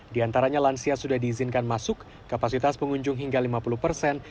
di antaranya lansia sudah diizinkan masuk kapasitas pengunjung hingga lima puluh persen